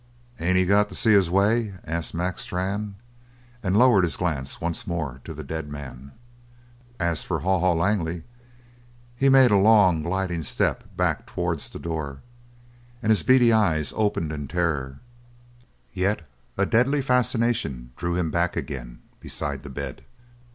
"Ain't he got to see his way?" asked Mac Strann, and lowered his glance once more to the dead man. As for Haw Haw Langley, he made a long, gliding step back towards the door, and his beady eyes opened in terror; yet a deadly fascination drew him back again beside the bed.